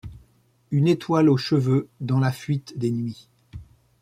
Une étoile aux cheveux dans la fuite des nuits